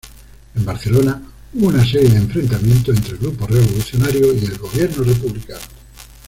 En Barcelona hubo una serie de enfrentamientos entre grupos revolucionarios y el gobierno republicano.